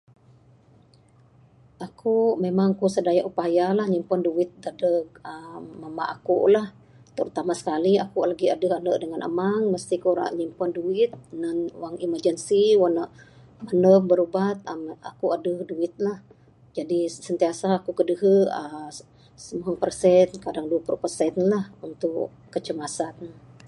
Aku memang ku sedaya upaya lah nyimpan duit dadeg um, mamba aku lah. Terutama sekali aku adeh ande dangan amang mesti ku ra nyimpan duit nan wang emergency. Wang ne maneg birubat em, aku adeh duit lah. Jadi sentiasa ku kidehe simuhung percent kadang duweh puru percent lah untuk kecemasan.